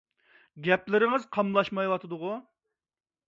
گەپلىرىڭىز قاملاشمايۋاتىدىغۇ!